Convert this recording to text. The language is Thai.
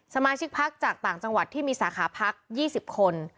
สมาชิกพักจากต่างจังหวัดที่มีสาขาพัก๒๐คน